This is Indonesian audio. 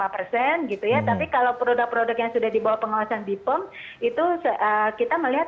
lima persen gitu ya tapi kalau produk produk yang sudah dibawa pengawasan bipom itu kita melihat